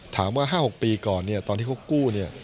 ถามว่า๕๖ปีก่อนตอนที่เขากู้